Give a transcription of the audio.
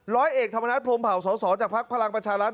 ร้อยเอกธรรมนัฐพรมเผาสอสอจากภักดิ์พลังประชารัฐ